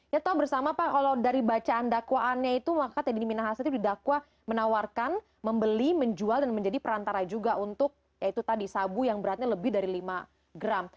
ya tahu bersama pak kalau dari bacaan dakwaannya itu maka teddy minahasa itu didakwa menawarkan membeli menjual dan menjadi perantara juga untuk ya itu tadi sabu yang beratnya lebih dari lima gram